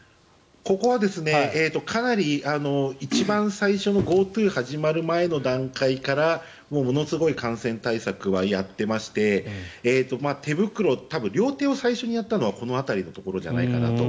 ここはかなり一番最初のＧｏＴｏ始まる前の段階からものすごい感染対策はやっていまして手袋、多分両手を最初にやったのはこの辺りのところじゃないかと。